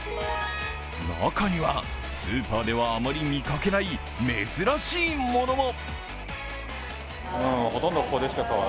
中には、スーパーではあまり見かけない珍しいものも。